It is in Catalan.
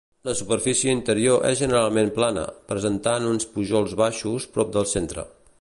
La superfície interior és generalment plana, presentant uns pujols baixos prop del centre.